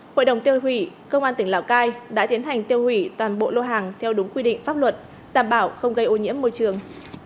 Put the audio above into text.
hội đồng tiêu hủy công an tỉnh lào cai đã tiến hành tiêu hủy toàn bộ lô hàng theo đúng quy định pháp luật đảm bảo không gây ô nhiễm môi trường